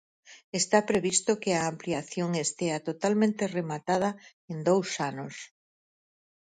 Está previsto que a ampliación estea totalmente rematada en dous anos.